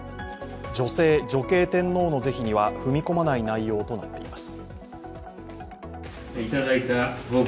女性・女系天皇の是非には踏み込まない内容となっています。